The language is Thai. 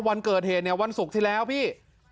วันเกิดเหตุเนี่ยวันศุกร์ที่แล้วพี่